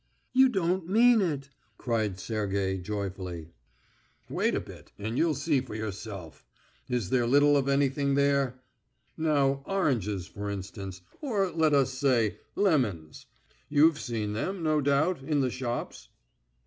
"You don't mean it!" cried Sergey, joyfully. "Wait a bit and you'll see for yourself. Is there little of anything there? Now, oranges for instance, or, let us say, lemons.... You've seen them, no doubt, in the shops?"